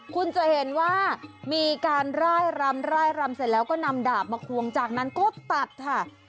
คุณจะเห็นว่ามีการร่ายรำร่ายรำเสร็จแล้วก็นำดาบมาควงจากนั้นก็ตัดค่ะ